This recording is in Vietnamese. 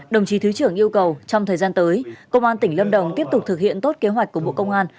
đồng chí thứ trưởng yêu cầu trong thời gian tới công an tỉnh lâm đồng tiếp tục thực hiện tốt kế hoạch của bộ công an